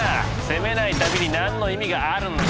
攻めない旅に何の意味があるんだ！